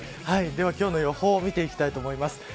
今日の予報を見ていきたいと思います。